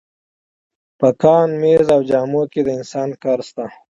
په کان، مېز او جامو کې د انسان کار شته